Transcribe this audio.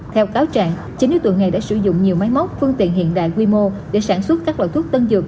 theo cáo trạng chính đối tượng này đã sử dụng nhiều máy móc phương tiện hiện đại quy mô để sản xuất các loại thuốc tân dược